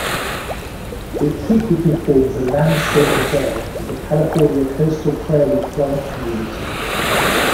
It frequently forms a landscape mosaic with the California coastal prairie plant community.